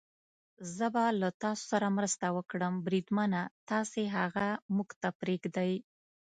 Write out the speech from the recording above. زه به له تاسو سره مرسته وکړم، بریدمنه، تاسې هغه موږ ته پرېږدئ.